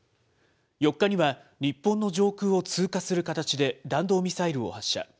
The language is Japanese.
４日には、日本の上空を通過する形で弾道ミサイルを発射。